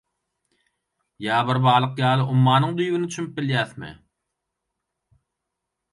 Ýa bir balyk ýaly ummanyň düýbüne çümüp bilýärismi?